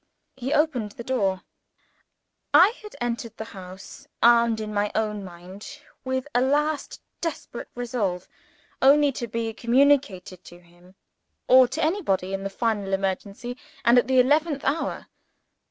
He opened the door. I had entered the house, armed in my own mind with a last desperate resolve, only to be communicated to him, or to anybody, in the final emergency and at the eleventh hour.